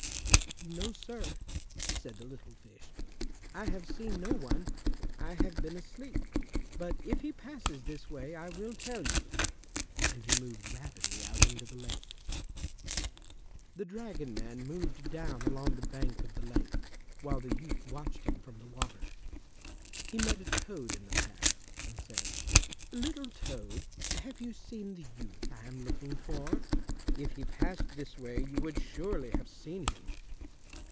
"No, sir," said the little fish, "I have seen no one; I have been asleep. But if he passes this way I will tell you," and he moved rapidly out into the lake. [Illustration: THE MAN GAVE HIM ANOTHER PAIR OF MOCCASINS IN EXCHANGE FOR THOSE HE WAS WEARING] The dragon man moved down along the bank of the lake, while the youth watched him from the water. He met a Toad in the path, and said, "Little Toad, have you seen the youth I am looking for? If he passed this way you would surely have seen him."